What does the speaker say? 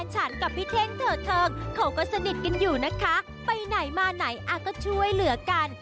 เจ้าแจ๊กริมเจ้า